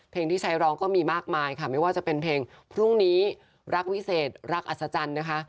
ที่ใช้ร้องก็มีมากมายค่ะไม่ว่าจะเป็นเพลงพรุ่งนี้รักวิเศษรักอัศจรรย์นะคะ